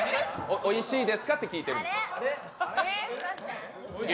おいしいですかって聞いてるの。